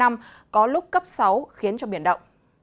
mức cấp sáu khiến cho biển động